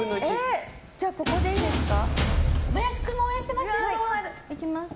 じゃあ、ここでいいですか。